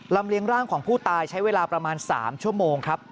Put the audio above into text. เลี้ยงร่างของผู้ตายใช้เวลาประมาณ๓ชั่วโมงครับ